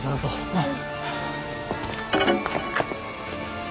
うん。